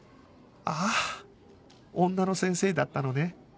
ああ女の先生だったのね